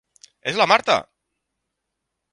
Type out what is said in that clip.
És la Marta!